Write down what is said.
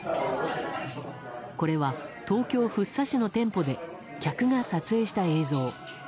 これは、東京・福生市の店舗で客が撮影した映像。